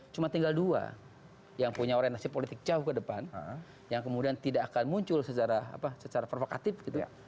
cuma tinggal dua yang punya orientasi politik jauh ke depan yang kemudian tidak akan muncul secara provokatif gitu